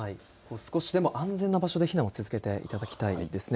少しでも安全な場所で避難を続けていただきたいですね。